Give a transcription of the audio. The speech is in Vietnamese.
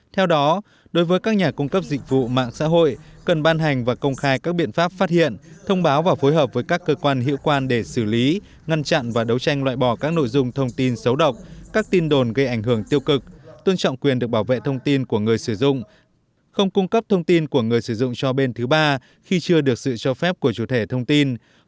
theo đó đối với các nhà cung cấp dịch vụ mạng xã hội cần ban hành và công khai các biện pháp phát hiện thông báo và phối hợp với các cơ quan hiệu quan để xử lý ngăn chặn và đấu tranh loại bỏ các nội dung thông tin xấu độc các tin đồn gây ảnh hưởng tiêu cực tôn trọng quyền được bảo vệ thông tin của người sử dụng không cung cấp thông tin của người sử dụng cho bên thứ ba khi chưa được sự cho phép của chủ thể thông tin